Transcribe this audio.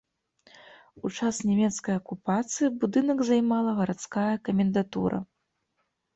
У час нямецкай акупацыі будынак займала гарадская камендатура.